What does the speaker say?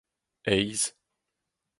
aes